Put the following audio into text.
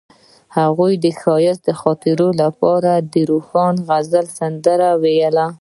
هغې د ښایسته خاطرو لپاره د روښانه غزل سندره ویله.